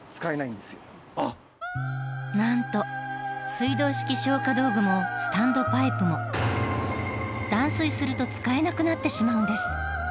なんと水道式消火道具もスタンドパイプも断水すると使えなくなってしまうんです。